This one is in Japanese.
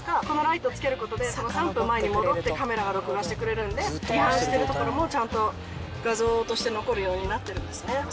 このライトつけることで３分前に戻ってカメラが録画してくれるんで違反してるところもちゃんと画像として残るようになってるんですね。